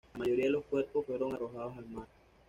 La mayoría de los cuerpos fueron arrojados al mar.